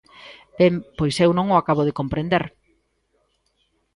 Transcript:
Ben, pois eu non o acabo de comprender.